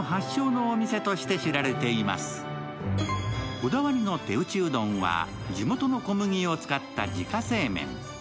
こだわりの手打ちうどんは、地元の小麦を使った自家製麺。